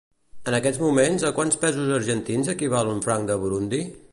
En aquest moment a quants pesos argentins equival un franc de Burundi?